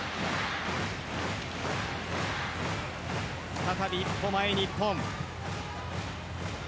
再び一歩前、日本。